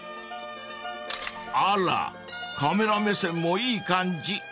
［あらカメラ目線もいい感じ］